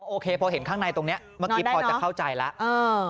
โอเคพอเห็นข้างในตรงนี้เมื่อกี้พอจะเข้าใจแล้ว